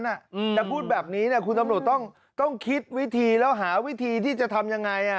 แต่พูดแบบนี้คุณตำรวจต้องคิดวิธีแล้วหาวิธีที่จะทำยังไง